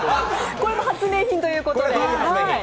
これも発明品ということで？